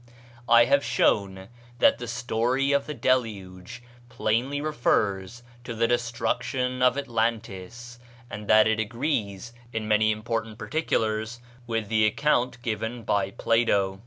I have shown that the story of the Deluge plainly refers to the destruction of Atlantis, and that it agrees in many important particulars with the account given by Plato.